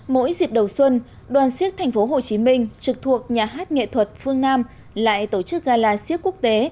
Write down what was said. mỗi dịp đầu xuân đoàn siếc tp hcm trực thuộc nhà hát nghệ thuật phương nam lại tổ chức gala siếc quốc tế